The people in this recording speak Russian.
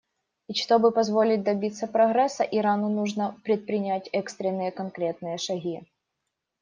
И чтобы позволить добиться прогресса, Ирану нужно предпринять экстренные конкретные шаги.